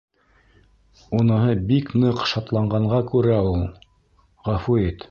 — Уныһы бик ныҡ шатланғанға күрә ул, ғәфү ит!